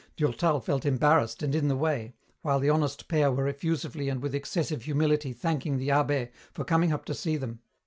Durtal felt embarrassed and in the way, while the honest pair were effusively and with excessive humility thanking the abbé for coming up to see them.